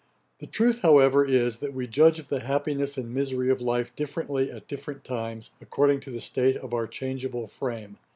The truth, however, is, that we judge of the happiness and misery of life differently at different times, according to the state of our changeable frame.